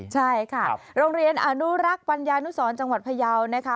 ใช่ค่ะโรงเรียนอนุรักษ์ปัญญานุสรจังหวัดพยาวนะคะ